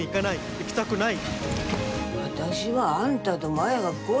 行きたくない。